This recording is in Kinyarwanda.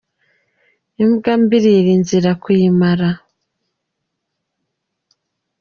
imbwa mbi irira inziza kuyimara